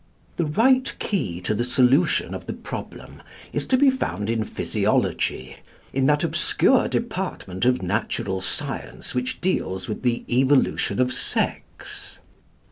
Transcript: The right key to the solution of the problem is to be found in physiology, in that obscure department of natural science which deals with the evolution of sex.